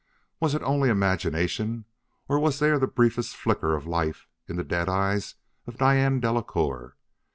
Was it only imagination, or was there the briefest flicker of life in the dead eyes of Diane Delacouer?